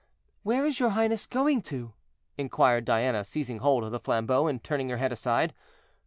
"Where is your highness going to?" inquired Diana, seizing hold of the flambeau and turning her head aside.